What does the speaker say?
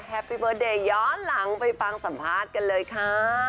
พี่เบิร์เดย์ย้อนหลังไปฟังสัมภาษณ์กันเลยค่ะ